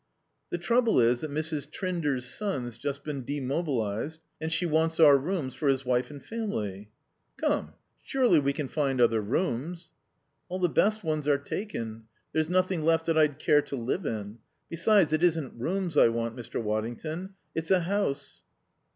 "The trouble is that Mrs. Trinder's son's just been demobilized, and she wants our rooms for his wife and family." "Come surely we can find other rooms." "All the best ones are taken. There's nothing left that I'd care to live in.... Besides, it isn't rooms I want, Mr. Waddington, it's a house."